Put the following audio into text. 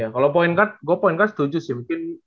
kalau point guard gue point guard setuju sih mungkin